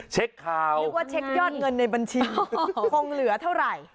ข่าวนึกว่าเช็คยอดเงินในบัญชีคงเหลือเท่าไหร่